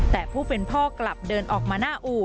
แต่ผู้เป็นพ่อกลับเดินออกมาหน้าอู่